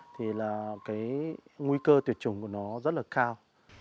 thì là cái nguy cơ tuyệt chủng của nó rất là cao